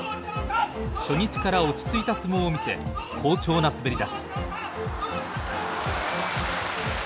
初日から落ち着いた相撲を見せ好調な滑りだし。